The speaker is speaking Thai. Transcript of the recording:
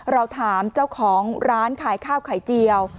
เราถามเจ้าของร้านขายข้าวไข่เจียว